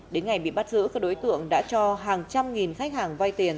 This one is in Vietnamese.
đến ngày bị bắt giữ các đối tượng đã cho hàng trăm nghìn khách hàng vay tiền